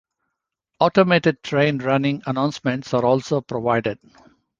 Automated train running announcements are also provided.